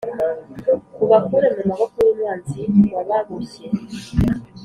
ubakure mu maboko y’umwanzi wababoshye